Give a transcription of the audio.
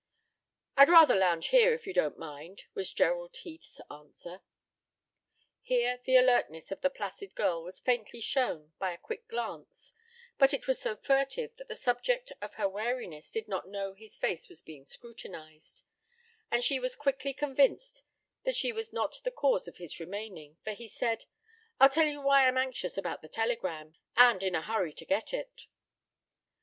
"I'd rather lounge here, if you don't mind," was Gerald Heath's answer. Here the alertness of the placid girl was faintly shown by a quick glance, but it was so furtive that the subject of her wariness did not know his face was being scrutinized; and she was quickly convinced that she was not the cause of his remaining, for he said: "I'll tell you why I'm anxious about the telegram, and in a hurry to get it."